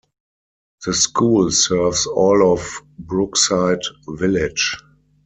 The school serves all of Brookside Village.